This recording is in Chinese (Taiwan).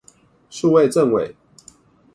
數位政委